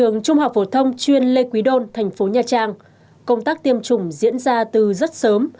trường trung học phổ thông chuyên lê quý đôn thành phố nha trang công tác tiêm chủng diễn ra từ rất sớm